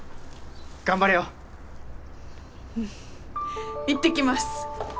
頑張れようん行ってきます